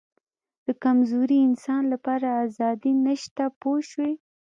د کمزوري انسان لپاره آزادي نشته پوه شوې!.